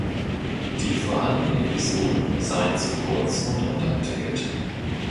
Die vorhandenen Episoden seien zu kurz und unterentwickelt.